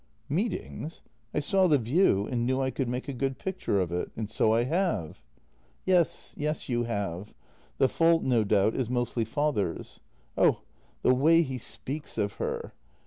Meetings? — I saw the view and knew I could make a good picture of it — and so I have." " Yes, yes, you have. The fault, no doubt, is mostly father's. Oh, the way he speaks of her."